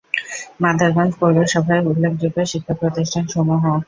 মাদারগঞ্জ পৌরসভায় উল্লেখযোগ্য শিক্ষা প্রতিষ্ঠান সমূহ-